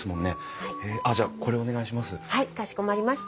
あっじゃあこれお願いします。